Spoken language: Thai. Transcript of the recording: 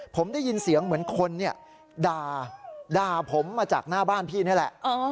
ผมได้ยินเสียงเหมือนคนด่าผมมาจากหน้าบ้านพี่นี่แหละ